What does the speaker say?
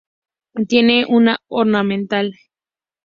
Tiene uso ornamental.